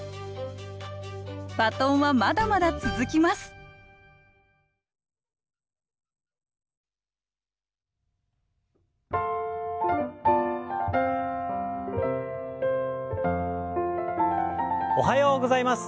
バトンはまだまだ続きますおはようございます。